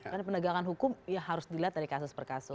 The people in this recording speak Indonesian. karena pendegakan hukum ya harus dilihat dari kasus per kasus